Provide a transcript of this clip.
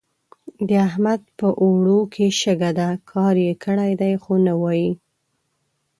د احمد په اوړو کې شګه ده؛ کار يې کړی دی خو نه وايي.